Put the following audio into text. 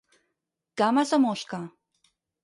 Cames de mosca.